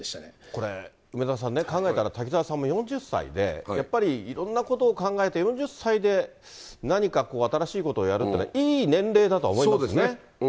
これ、梅沢さんね、考えたら、滝沢さんも４０歳で、やっぱりいろんなことを考えて、４０歳で何かこう、新しいことをやるっていそうですね。